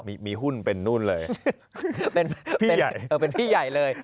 มีมีหุ้นเป็นนู่นเลยเป็นพี่ใหญ่เลย